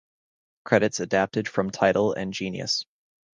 Credits adapted from Tidal and Genius.